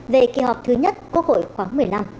về kỳ họp thứ nhất quốc hội khoáng một mươi năm